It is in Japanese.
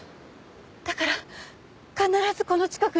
だから必ずこの近くに。